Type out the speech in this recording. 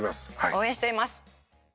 応援しています。